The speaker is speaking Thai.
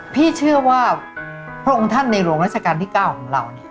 พี่เชื่อว่าพวกท่านในรวมราชการที่๙ของเราเนี่ย